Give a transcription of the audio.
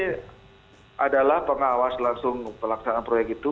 ini adalah pengawas langsung pelaksanaan proyek itu